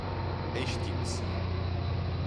extingue-se